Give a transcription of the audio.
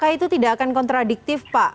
apakah itu tidak akan kontradiktif pak